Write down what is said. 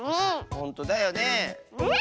ほんとだよね。